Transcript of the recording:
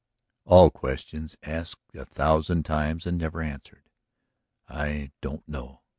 "All questions asked a thousand times and never answered. I don't know.